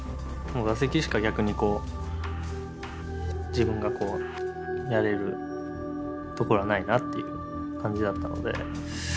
もう打席しか逆にこう自分がやれるところはないなという感じだったのではい。